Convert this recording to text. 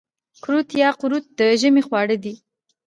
کورت یا قروت د ژمي خواړه دي.